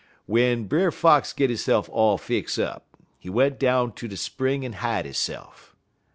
"W'en Brer Fox git hisse'f all fix up, he went down ter de spring en hide hisse'f.